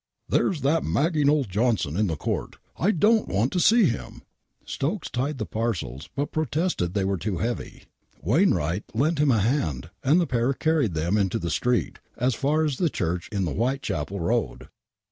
There's that magging old Johnston in the Court. I don't want to see him !! Stokes tried the parcels, but protested they were too heavy. Wainwright lent him a hand, and the pair carried them into the street, as f &r as the Church in the Whitechapel Koad.